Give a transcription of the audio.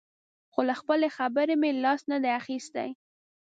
خو له خپلې خبرې مې لاس نه دی اخیستی.